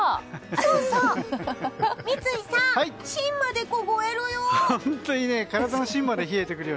三井さん、芯まで凍えるよ。